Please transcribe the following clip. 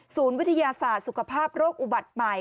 วิทยาศาสตร์สุขภาพโรคอุบัติใหม่